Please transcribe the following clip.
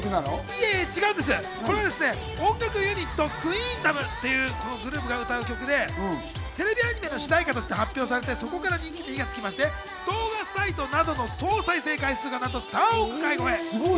いえいえこれ、音楽ユニット・ＱＵＥＥＮＤＯＭが歌う曲でテレビアニメの主題歌として発表されて、そこから人気に火がつきまして、動画サイトなどの総再生回数、なんと３憶回超え。